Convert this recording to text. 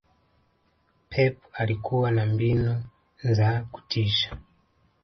Pep alikua na mbinu za kutisha